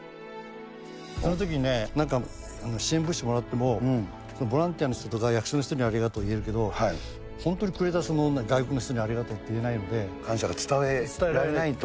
そのときにね、支援物資もらってもボランティアの人とか役所の人にはありがとうは言えるけど、本当にくれたその外国の人にありがとうって言えな感謝が伝えられないと。